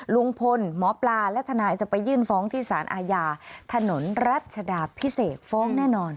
ลุงพลหมอปลาและทนายจะไปยื่นฟ้องที่สารอาญาถนนรัชดาพิเศษฟ้องแน่นอน